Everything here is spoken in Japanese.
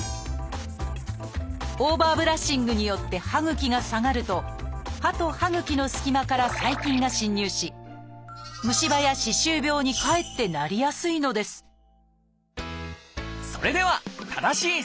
オーバーブラッシングによって歯ぐきが下がると歯と歯ぐきのすき間から細菌が侵入し虫歯や歯周病にかえってなりやすいのですそれでは正しいセルフケア。